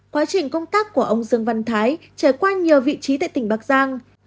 quá trình công tác của ông dương văn thái trải qua nhiều vị trí tại tỉnh bắc giang